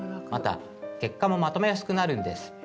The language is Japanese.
また、結果もまとめやすくなるんです。